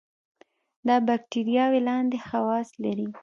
دا باکتریاوې لاندې خواص لري.